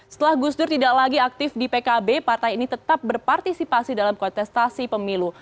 setelah gus dur tidak lagi aktif di pkb partai ini tetap berpartisipasi dalam kontestasi pemilu